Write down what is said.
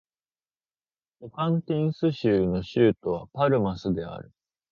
トカンティンス州の州都はパルマスである